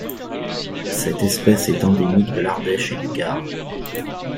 Cette espèce est endémique de l'Ardèche et du Gard.